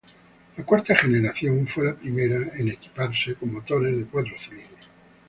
La cuarta generación fue la primera en equiparse con motores de cuatro cilindros.